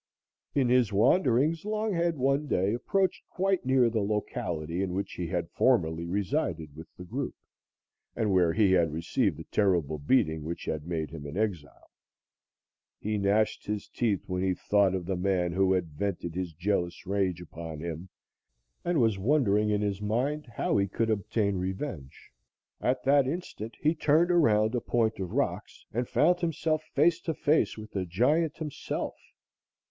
In his wanderings, Longhead one day approached quite near the locality in which he had formerly resided with the group, and where he had received the terrible beating which had made him an exile. He gnashed his teeth when he thought of the man who had vented his jealous rage upon him and was wondering in his mind how he could obtain revenge. At that instant he turned around a point of rocks and found himself face to face with the giant himself.